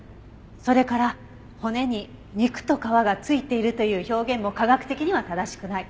それから「骨に肉と皮がついている」という表現も科学的には正しくない。